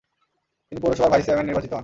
তিনি পৌরসভার vice chairman নির্বাচিত হন।